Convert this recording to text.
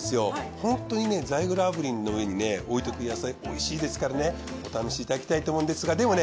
ホントにザイグル炙輪の上に置いとく野菜おいしいですからお試しいただきたいと思うんですがでもね